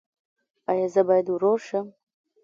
ایا زه باید ورور شم؟